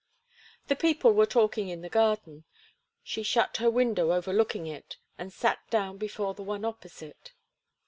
The people were talking in the garden. She shut her window overlooking it and sat down before the one opposite.